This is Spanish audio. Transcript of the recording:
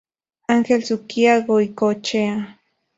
Ángel Suquía Goicoechea.